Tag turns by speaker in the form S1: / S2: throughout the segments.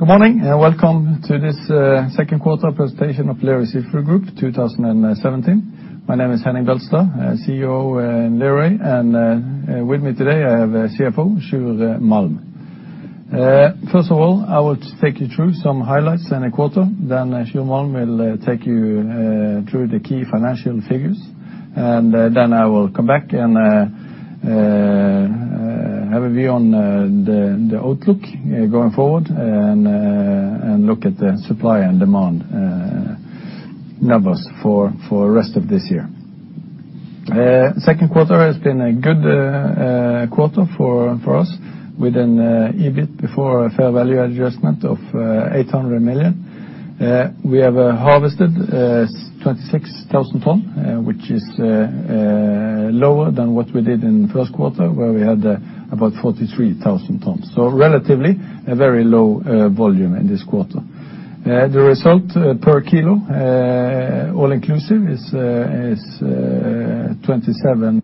S1: Good morning, welcome to this second quarter presentation of Lerøy Seafood Group 2017. My name is Henning Beltestad, CEO in Lerøy, and with me today I have CFO Sjur Malm. First of all, I want to take you through some highlights in the quarter, then Sjur Malm will take you through the key financial figures, and then I will come back and have a view on the outlook going forward and look at the supply and demand numbers for the rest of this year. Second quarter has been a good quarter for us with an EBIT before our fair value adjustment of 800 million. We have harvested 26,000 tons, which is lower than what we did in the first quarter, where we had about 43,000 tons. Relatively, a very low volume in this quarter. The result per kilo, all inclusive, is 27.30.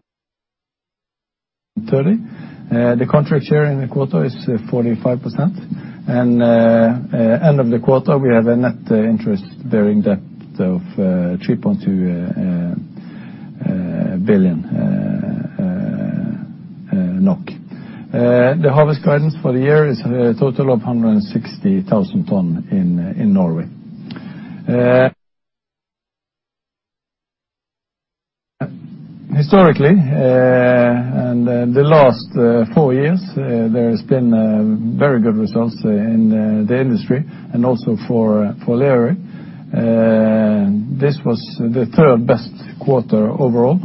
S1: The contract share in the quarter is 45%, and end of the quarter, we have a net interest-bearing debt of 3.2 billion NOK. The harvest guidance for the year is a total of 160,000 tons in Norway. Historically, in the last four years, there's been very good results in the industry and also for Lerøy. This was the third-best quarter overall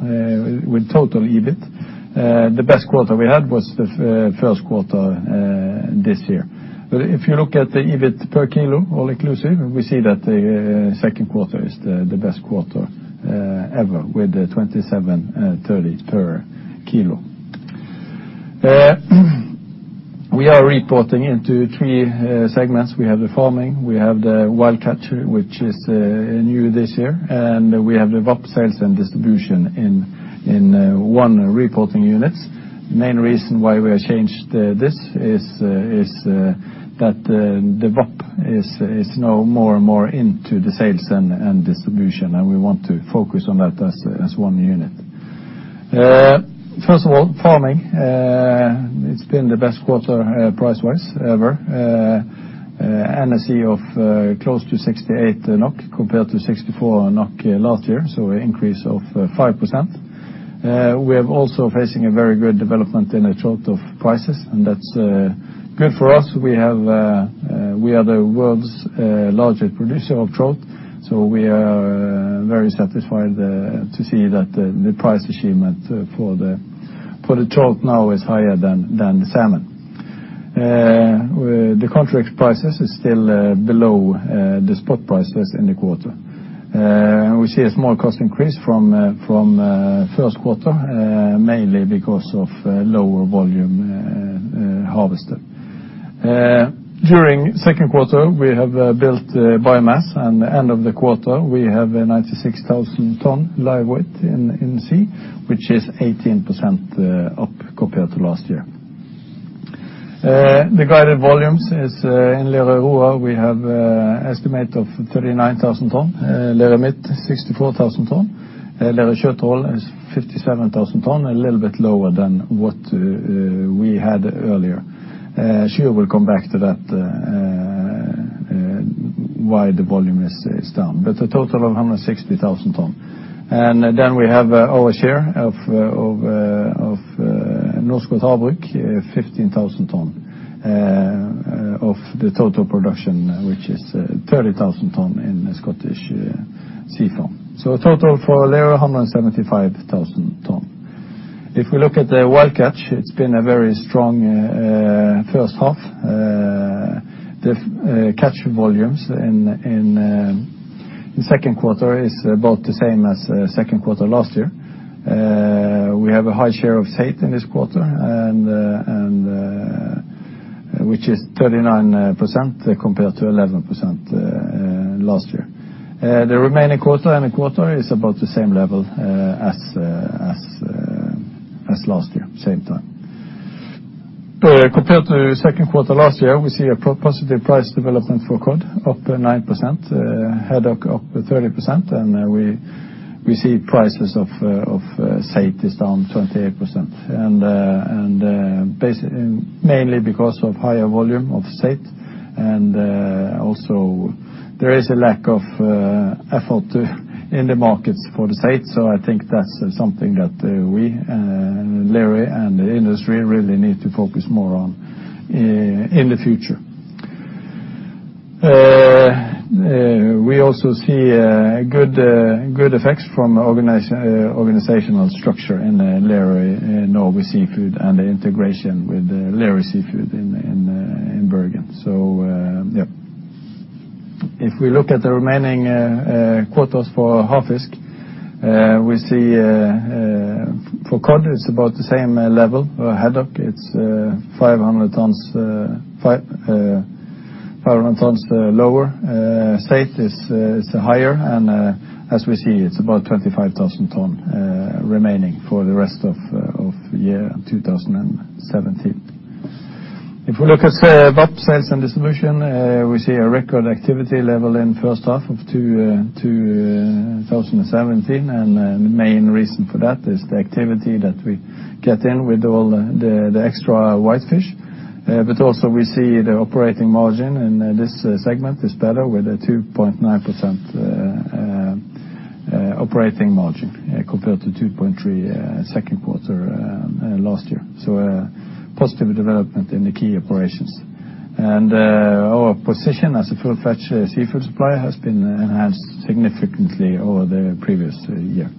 S1: with total EBIT. The best quarter we had was the first quarter this year. If you look at the EBIT per kilo, all inclusive, we see that the second quarter is the best quarter ever with 27.30 per kilo. We are reporting into three segments. We have the farming, we have the wild catch, which is new this year, and we have the VAP Sales & Distribution in one reporting unit. The main reason why we changed this is that the VAP is now more and more into the sales and distribution. We want to focus on that as one unit. First of all, farming. It's been the best quarter price-wise ever. NSI of close to 68 NOK compared to 64 NOK last year. An increase of 5%. We are also facing a very good development in the trout prices. That's good for us. We are the world's largest producer of trout. We are very satisfied to see that the price achievement for the trout now is higher than the salmon. The contract prices is still below the spot prices in the quarter. We see a small cost increase from first quarter, mainly because of lower volume harvested. During second quarter, we have built biomass and end of the quarter we have 96,000 ton live weight in the sea, which is 18% up compared to last year. The guided volumes is in Lerøy Aurora, we have estimate of 39,000 ton. Lerøy Midt, 64,000 ton. Lerøy Sjøtroll is 57,000 ton, a little bit lower than what we had earlier. Sjur will come back to that, why the volume is down. A total of 160,000 ton. We have our share of Norskott Havbruk, 15,000 ton of the total production, which is 30,000 ton in the Scottish Sea Farms. A total for Lerøy, 175,000 ton. We look at the wild catch, it's been a very strong first half. The catch volumes in the second quarter is about the same as the second quarter last year. We have a high share of saithe in this quarter, which is 39% compared to 11% last year. The remaining quota in the quarter is about the same level as last year, same time. Compared to the second quarter last year, we see a positive price development for cod, up at 9%, haddock up at 30%, and we see prices of saithe is down 28%, mainly because of higher volume of saithe and also there is a lack of effort in the markets for the saithe. I think that's something that we, Lerøy and the industry, really need to focus more on in the future. We also see good effects from organizational structure in Lerøy Norway Seafoods and the integration with Lerøy Seafood in Bergen. If we look at the remaining quotas for Havfisk, we see for cod it's about the same level. For haddock, it's 500 tons lower. Saithe is higher, and as we see, it's about 25,000 tons remaining for the rest of 2017. If we look at value chain and distribution, we see a record activity level in the first half of 2017. The main reason for that is the activity that we get in with all the extra whitefish. Also we see the operating margin in this segment is better with a 2.9% operating margin compared to 2.3% second quarter last year. A positive development in the key operations. Our position as a full seafood supplier has been enhanced significantly over the previous year.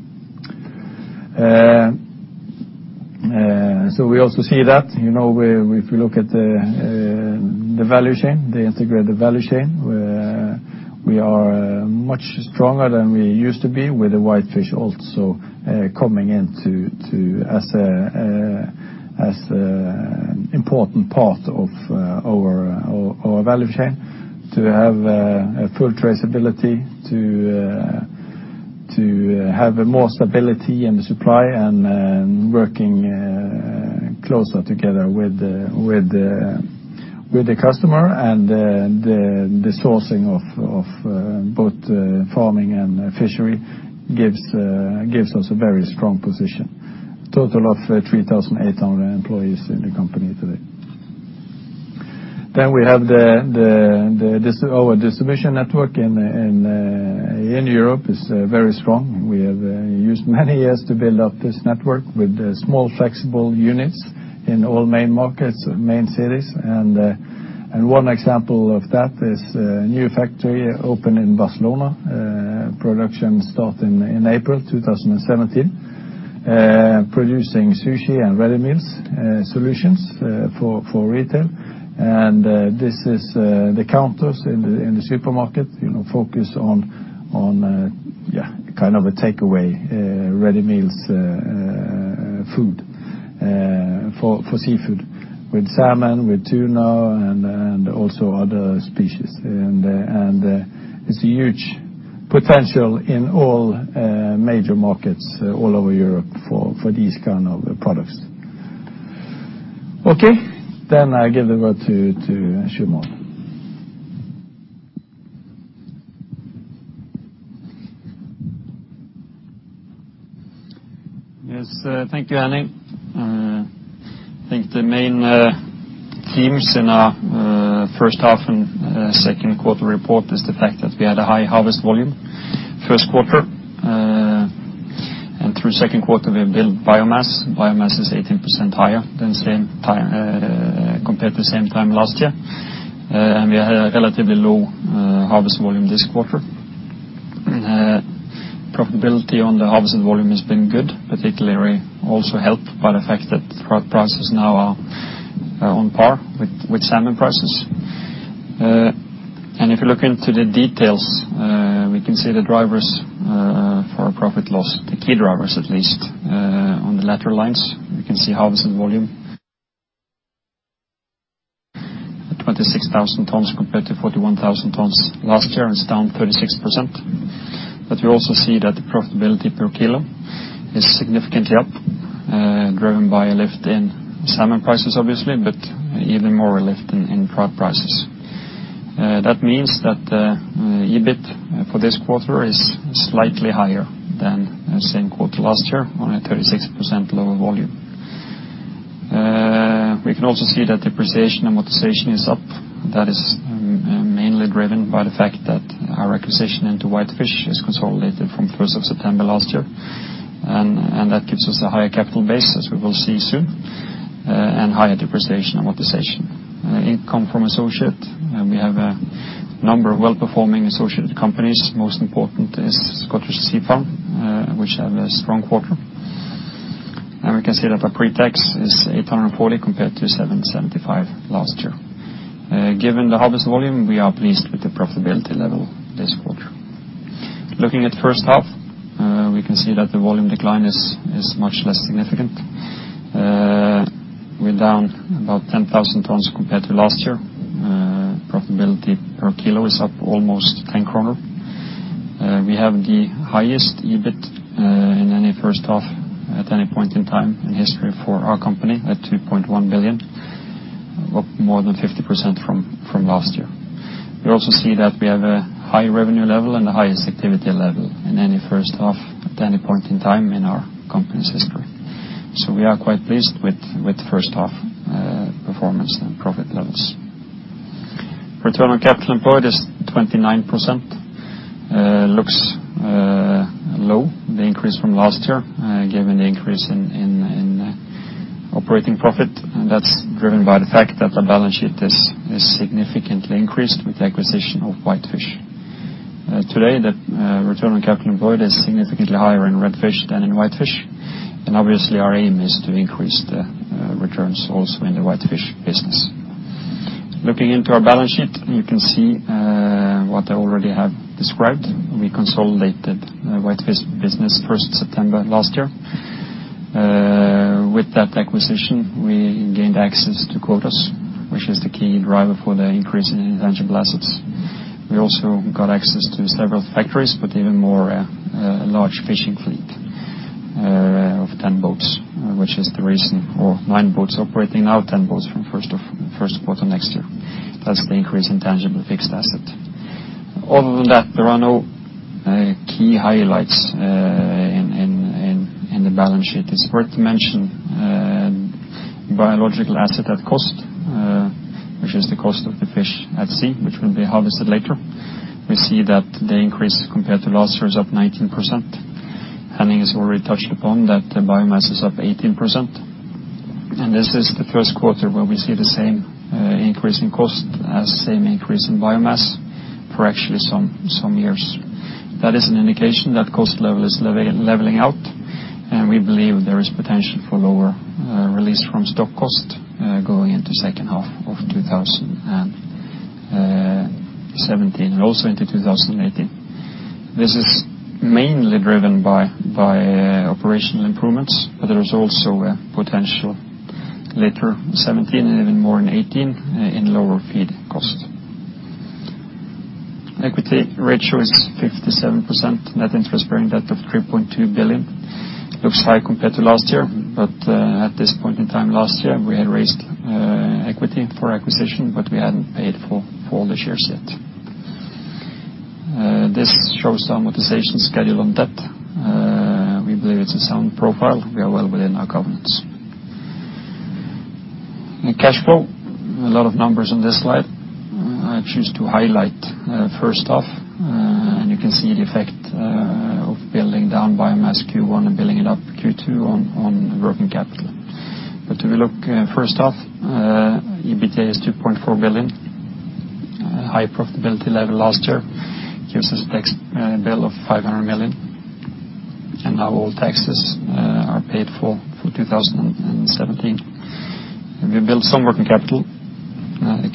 S1: We also see that, if you look at the integrated value chain, we are much stronger than we used to be with the whitefish also coming in as an important part of our value chain to have a full traceability, to have more stability in the supply and working closer together with the customer and the sourcing of both farming and fishery gives us a very strong position. Total of 3,800 employees in the company today. We have our distribution network in Europe is very strong. We have used many years to build up this network with small flexible units in all main markets, main cities. One example of that is a new factory opened in Barcelona. Production started in April 2017 producing sushi and ready meals solutions for retail. This is the counters in the supermarket focus on kind of a takeaway, ready meals food for seafood with salmon, with tuna and also other species. It's a huge potential in all major markets all over Europe for these kind of products. Okay. I give it over to Sjur Malm.
S2: Yes, thank you, Henning. I think the main themes in our first half and second quarter report is the fact that we had a high harvest volume first quarter. Through second quarter, we built biomass. Biomass is 18% higher compared to the same time last year. We had a relatively low harvest volume this quarter. Profitability on the harvest volume has been good, particularly also helped by the fact that trout prices now are on par with salmon prices. If you look into the details, we can see the drivers for our profit loss, the key drivers at least on the latter lines. We can see harvest volume. 26,000 tons compared to 41,000 tons last year, it's down 36%. You also see that the profitability per kilo is significantly up driven by a lift in salmon prices, obviously, but even more a lift in trout prices. That means that the EBIT for this quarter is slightly higher than the same quarter last year on a 36% lower volume. We can also see that depreciation and amortization is up. That is mainly driven by the fact that our acquisition into whitefish is consolidated from September 1st last year. That gives us a higher capital base as we will see soon, and higher depreciation and amortization. Income from associate, and we have a number of well-performing associate companies. Most important is Scottish Sea Farms which had a strong quarter. We can see that our pre-tax is 840 compared to 775 last year. Given the harvest volume, we are pleased with the profitability level this quarter. Looking at the first half, we can see that the volume decline is much less significant. We're down about 10,000 tons compared to last year. Profitability per kilo is up almost 10 kroner. We have the highest EBIT in any first half at any point in time in the history for our company at 2.1 billion, up more than 50% from last year. We also see that we have a high revenue level and the highest activity level in any first half at any point in time in our company's history. We are quite pleased with first half performance and profit levels. Return on capital employed is 29%, looks low, the increase from last year given the increase in operating profit. That's driven by the fact that our balance sheet is significantly increased with the acquisition of whitefish. Today, the return on capital employed is significantly higher in red fish than in whitefish, and obviously our aim is to increase the returns also in the whitefish business. Looking into our balance sheet, you can see what I already have described. We consolidated the whitefish business September 1st last year. With that acquisition, we gained access to quotas, which is the key driver for the increase in intangible assets. We also got access to several factories, but even more a large fishing fleet. Of 10 boats, which is the reason, or nine boats operating, now 10 boats from first quarter next year. That's the increase in tangible fixed asset. Other than that, there are no key highlights in the balance sheet. It's worth mentioning biological asset at cost, which is the cost of the fish at sea, which will be harvested later. We see that the increase compared to last year is up 19%. Henning has already touched upon that the biomass is up 18%, and this is the first quarter where we see the same increase in cost as same increase in biomass for actually some years. That is an indication that cost level is leveling out, and we believe there is potential for lower release from stock cost going into second half of 2017 and also into 2018. This is mainly driven by operational improvements, but there is also a potential later 2017 and even more in 2018 in lower feed cost. Equity ratio is 57%. Net interest-bearing debt of 3.2 billion looks high compared to last year. At this point in time last year, we had raised equity for acquisition. We hadn't paid for all the shares yet. This shows amortization schedule on debt. We believe it's a sound profile. We are well within our covenants. In cash flow, a lot of numbers on this slide. I choose to highlight first half. You can see the effect of building down biomass Q1 and building it up Q2 on working capital. If you look first half, EBITDA is 2.4 billion. High profitability level last year gives us a tax bill of 500 million. Now all taxes are paid for 2017. We built some working capital.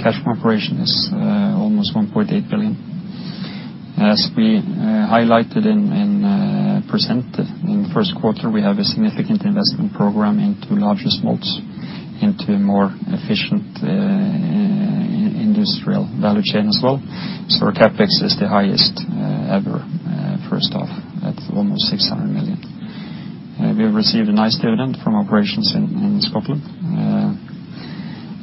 S2: Cash from operation is almost 1.8 billion. As we highlighted and presented in the first quarter, we have a significant investment program into larger smolts, into more efficient industrial value chain as well. Our CapEx is the highest ever, first half, at almost 600 million. We have received a nice dividend from operations in Scotland,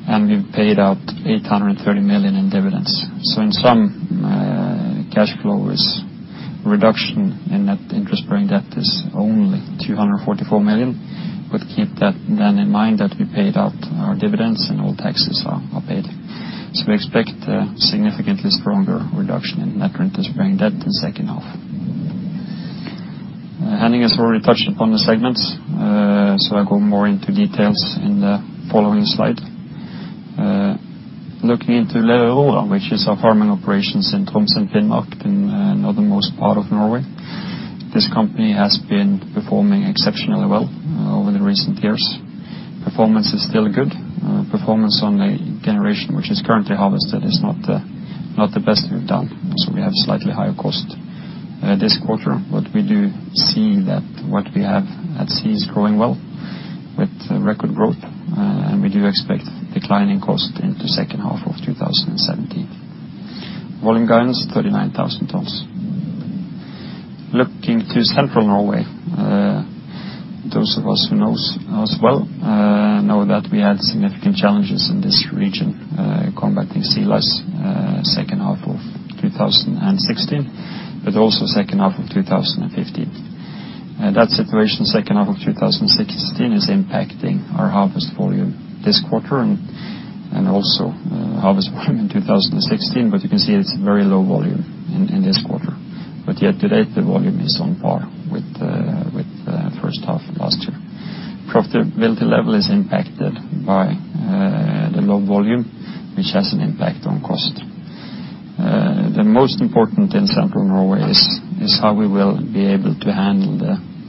S2: and we've paid out 830 million in dividends. In sum, cash flow is a reduction in net interest-bearing debt is only 244 million. Keep that then in mind that we paid out our dividends and all taxes are paid. We expect a significantly stronger reduction in net interest-bearing debt in the second half. Henning Beltestad has already touched upon the segments, I go more into details in the following slide. Looking into Lerøy Aurora, which is our farming operations in Troms and Finnmark in the northernmost part of Norway. This company has been performing exceptionally well over the recent years. Performance is still good. Performance on the generation, which is currently harvested is not the best we've done. We have slightly higher cost this quarter. We do see that what we have at sea is growing well with record growth, and we do expect declining cost into second half of 2017. Volume guidance 39,000 tons. Looking to Central Norway, those of us who know as well, know that we had significant challenges in this region combating sea lice second half of 2016 but also second half of 2015. That situation second half of 2016 is impacting our harvest volume this quarter and also harvest volume in 2016. You can see it's very low volume in this quarter. Yet to date, the volume is on par with the first half of last year. Profitability level is impacted by the low volume, which has an impact on cost. The most important thing in Central Norway is how we will be able to handle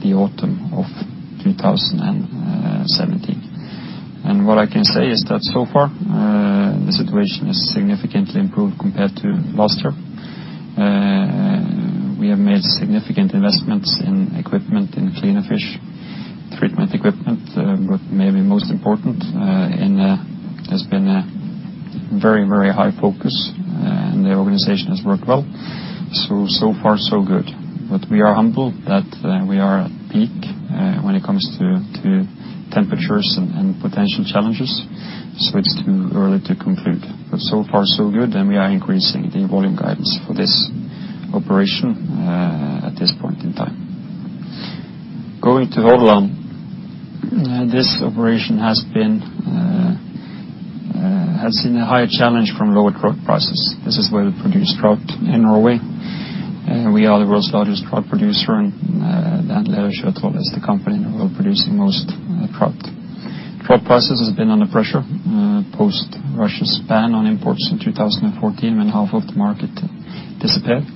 S2: the autumn of 2017. What I can say is that so far, the situation is significantly improved compared to last year. We have made significant investments in equipment, in clean fish treatment equipment, but maybe most important, has been a very high focus and the organization has worked well. So far, so good. We are humble that we are at peak when it comes to temperatures and potential challenges. It's too early to conclude. So far, so good, and we are increasing the volume guidance for this operation at this point in time. Going to Hordaland,. This operation has seen a high challenge from lower trout prices. This is where we produce trout in Norway. We are the world's largest trout producer and the Laksefjord company, we're producing most trout. Trout prices has been under pressure post Russia's ban on imports in 2014 when half of the market disappeared.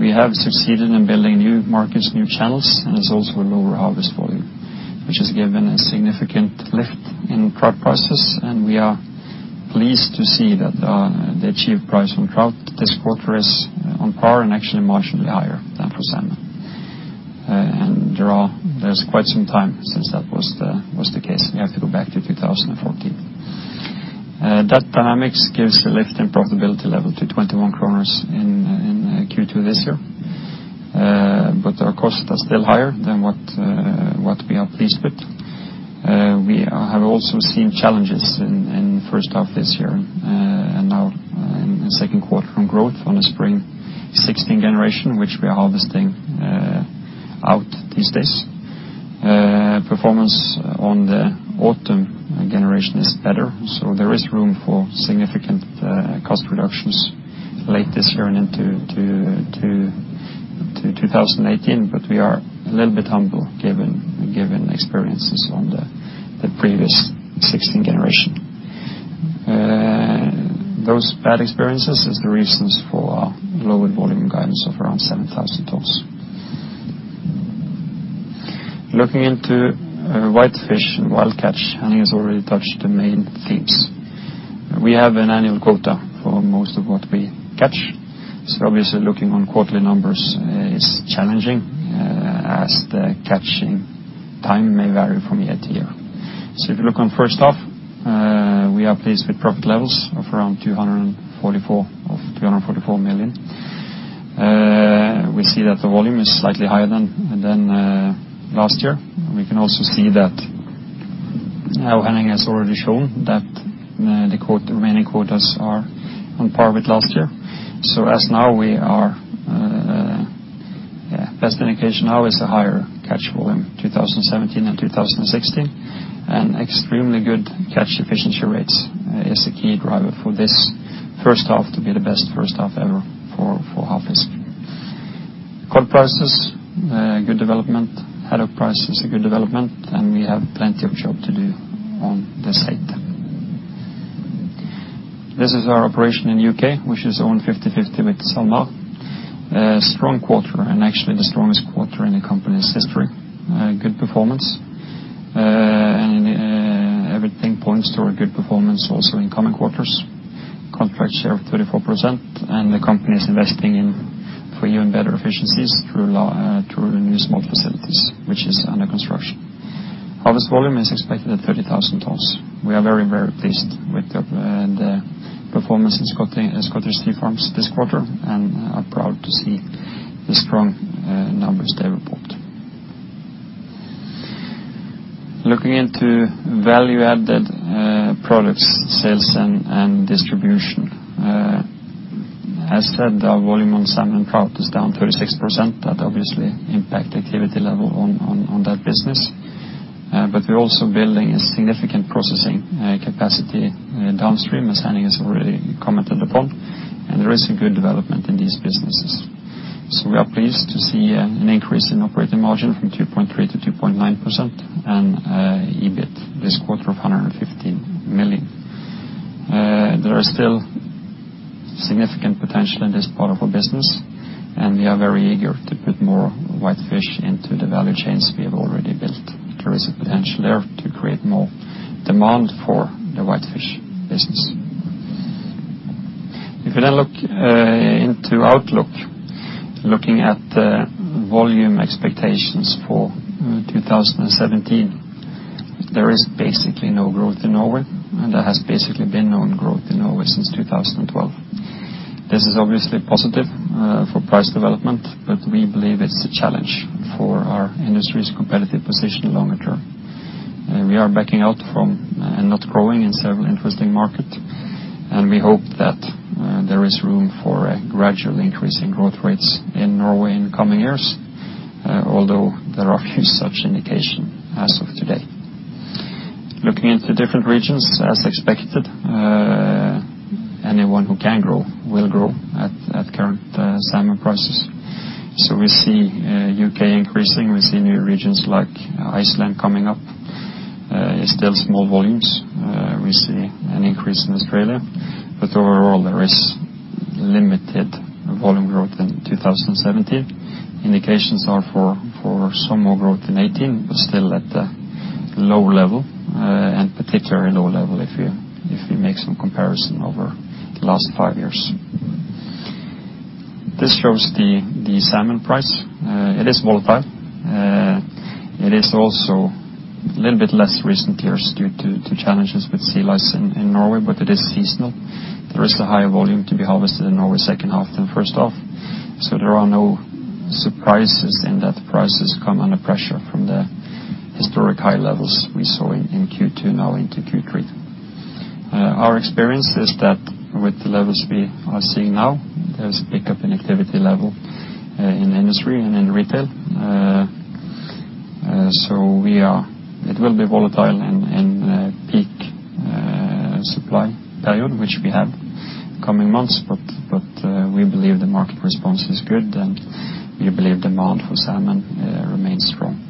S2: We have succeeded in building new markets, new channels, and there's also a lower harvest volume, which has given a significant lift in trout prices. We are pleased to see that the achieved price on trout this quarter is on par and actually marginally higher, 10%. There's quite some time since that was the case. You have to go back to 2014. That dynamics gives a lift in profitability level to 21 kroner in Q2 this year. Our costs are still higher than what we are pleased with. We have also seen challenges in the first half this year and now in the second quarter on growth from the spring 2016 generation, which we are harvesting out these days. Performance on the autumn generation is better. There is room for significant cost reductions late this year into 2018. We are a little bit humble given the experiences on the previous 2016 generation. Those bad experiences is the reasons for lower volume guidance of around 7,000 tons. Looking into whitefish and wild catch, Henning has already touched the main themes. We have an annual quota for most of what we catch. Obviously looking on quarterly numbers is challenging as the catching time may vary from year to year. If you look on first half, we are pleased with profit levels of around 244 million. We see that the volume is slightly higher than last year. We can also see that, Henning has already shown that the main quotas are on par with last year. As now, best indication now is a higher catch volume in 2017 and 2016 and extremely good catch efficiency rates is a key driver for this first half to be the best first half ever for Havfisk. Cod prices, good development, haddock prices, a good development, and we have plenty of job to do on this side. This is our operation in U.K., which is owned 50/50 with SalMar. A strong quarter and actually the strongest quarter in the company's history. Good performance. Everything points toward good performance also in coming quarters. Contract share of 34% and the company is investing in three new and better efficiencies through new smolt facilities, which is under construction. Harvest volume is expected at 30,000 tons. We are very, very pleased with the performance in Scottish Sea Farms this quarter and are proud to see the strong numbers they report. Looking into value-added products, sales, and distribution. As said, the volume on salmon product is down 36%. That obviously impact activity level on that business. We're also building a significant processing capacity downstream, as Henning has already commented upon. There is a good development in these businesses. We are pleased to see an increase in operating margin from 2.3% to 2.9% and EBIT this quarter of 115 million. There is still significant potential in this part of our business, and we are very eager to put more whitefish into the value chains we have already built. There is a potential there to create more demand for the whitefish business. If you now look into outlook, looking at the volume expectations for 2017, there is basically no growth in Norway, and there has basically been no growth in Norway since 2012. This is obviously positive for price development, but we believe it's a challenge for our industry's competitive position longer term. We are backing out from not growing in several interesting markets, and we hope that there is room for a gradual increase in growth rates in Norway in the coming years, although there are no such indications as of today. Looking at the different regions, as expected, anyone who can grow will grow at current salmon prices. We see U.K. increasing. We see new regions like Iceland coming up. It's still small volumes. We see an increase in Australia, but overall there is limited volume growth in 2017. Indications are for some more growth in 2018, but still at a low level and particularly low level if you make some comparison over the last five years. This shows the salmon price. It is volatile. It is also a little bit less recent years due to challenges with sea lice in Norway, but it is seasonal. There is a higher volume to be harvested in Norway second half than first half. There are no surprises in that prices come under pressure from the historic high levels we saw in Q2 now into Q3. Our experience is that with the levels we are seeing now, there's a pickup in activity level in industry and in retail. It will be volatile in peak supply period, which we have coming months, but we believe the market response is good, and we believe demand for salmon remains strong.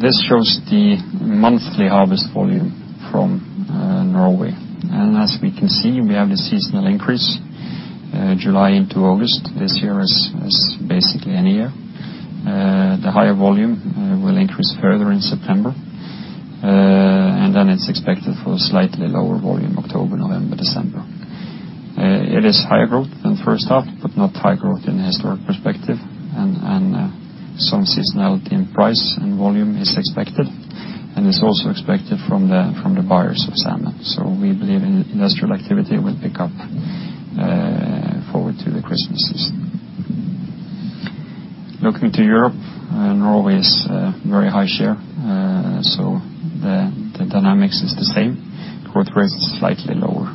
S2: This shows the monthly harvest volume from Norway. As we can see, we have a seasonal increase July into August this year as basically any year. The higher volume will increase further in September. It's expected for a slightly lower volume October, November, December. It is higher growth than first half, not high growth in historic perspective. Some seasonality in price and volume is expected, is also expected from the buyers of salmon. We believe investor activity will pick up forward to the Christmas season. Looking to Europe, Norway is a very high share. The dynamics is the same. Growth rate is slightly lower.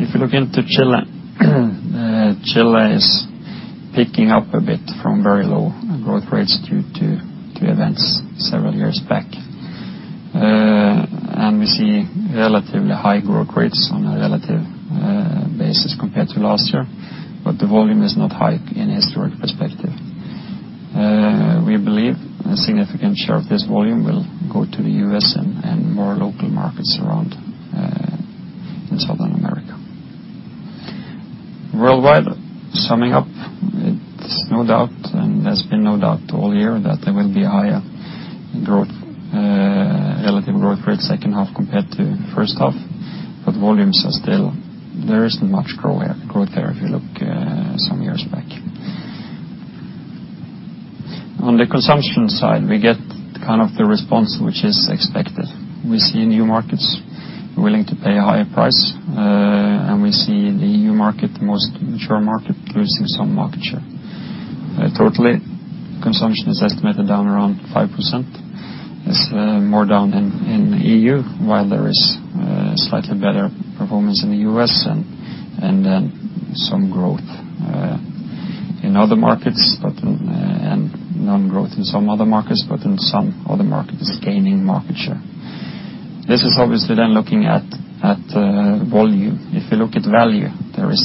S2: If you look into Chile is picking up a bit from very low growth rates due to events several years back. We see relatively high growth rates on a relative basis compared to last year, but the volume is not high in historical perspective. We believe a significant share of this volume will go to the U.S. and more local markets around in Southern America. Worldwide, summing up, it's no doubt, and there's been no doubt all year that there will be higher relative growth rate second half compared to first half. There isn't much growth there if you look some years back. On the consumption side, we get the response which is expected. We see new markets willing to pay a higher price, and we see the EU market, the most mature market, losing some market share. Totally, consumption is estimated down around 5%. It's more down in the EU, while there is slightly better performance in the U.S. and then some growth in other markets, and non-growth in some other markets, but in some other markets gaining market share. This is obviously then looking at volume. If you look at value, there is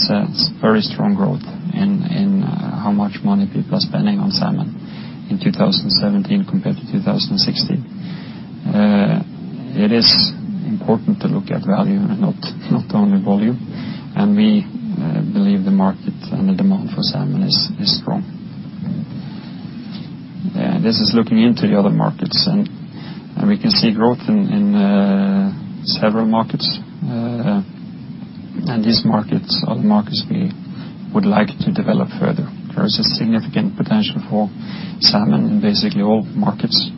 S2: very strong growth in how much money people are spending on salmon in 2017 compared to 2016. It is important to look at value and not only volume, and we believe the market and the demand for salmon is strong. This is looking into the other markets, and we can see growth in several markets, and these markets are the markets we would like to develop further. There's a significant potential for salmon in basically all markets,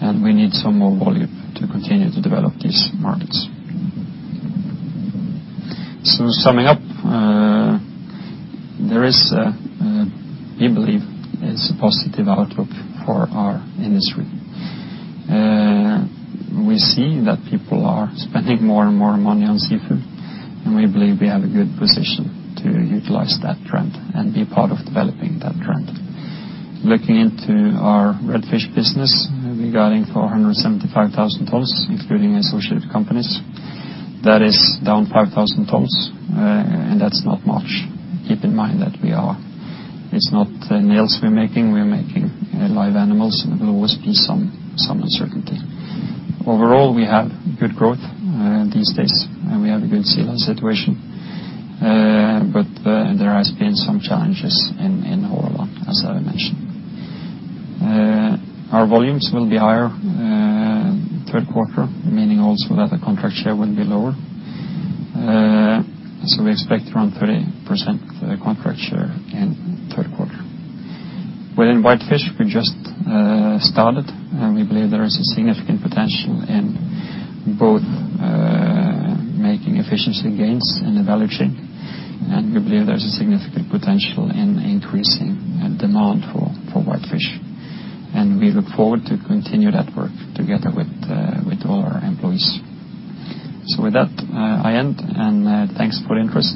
S2: and we need some more volume to continue to develop these markets. Summing up, we believe it's a positive outlook for our industry. We see that people are spending more and more money on seafood, and we believe we have a good position to utilize that trend and be part of developing that trend. Looking into our red fish business, we're guiding for 175,000 tons, including associate companies. That is down 5,000 tons, and that's not much. Keep in mind that it's not nails we're making, we're making live animals, there will always be some uncertainty. Overall, we have good growth these days, and we have a good sea lice situation. There has been some challenges in Hordaland, as I mentioned. Our volumes will be higher third quarter, meaning also that the contract share will be lower. We expect around 30% contract share in third quarter. Within whitefish, we've just started, and we believe there is a significant potential in both making efficiency gains in the value chain, and we believe there's a significant potential in increasing demand for whitefish. We look forward to continue that work together with all our employees. With that, I end, and thanks for your interest.